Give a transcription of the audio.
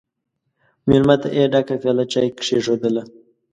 مېلمه ته یې ډکه پیاله چای کښېښودله!